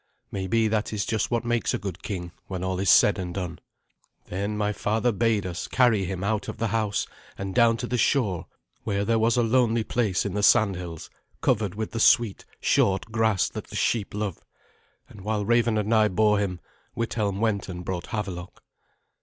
Maybe that is just what makes a good king when all is said and done. Then my father bade us carry him out of the house and down to the shore where there was a lonely place in the sandhills, covered with the sweet, short grass that the sheep love; and, while Raven and I bore him, Withelm went and brought Havelok.